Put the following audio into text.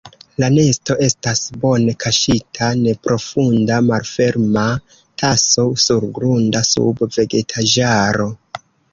La nesto estas bone kaŝita neprofunda malferma taso surgrunda sub vegetaĵaro.